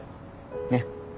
ねっ。